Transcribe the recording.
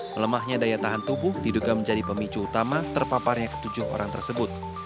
melemahnya daya tahan tubuh diduga menjadi pemicu utama terpaparnya ketujuh orang tersebut